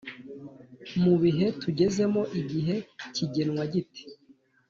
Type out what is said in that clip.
Mu bihe tugezemo igihe kigenwa gite